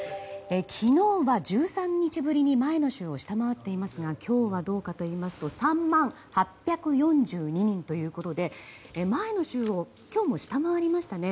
昨日が１３日ぶりに前の週を下回っていますが今日はどうかといいますと３万８４２人ということで前の週を今日も下回りましたね。